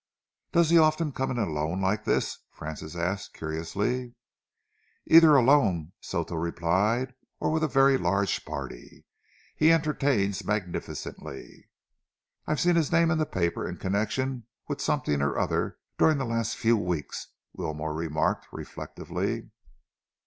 "Does he often come in alone like this?" Francis asked curiously. "Either alone," Soto replied, "or with a very large party. He entertains magnificently." "I've seen his name in the paper in connection with something or other, during the last few weeks," Wilmore remarked reflectively.